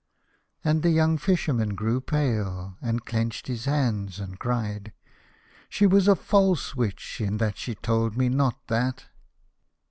And the young Fisherman grew pale and clenched his hands and cried, " She was a false Witch in that she told me not that."